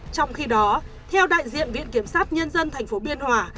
trong khi đó theo đại diện viện kiểm sát nhân dân tp biên hòa